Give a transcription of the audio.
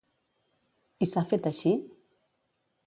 I s'ha fet així?